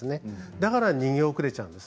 だから逃げ遅れちゃうんです。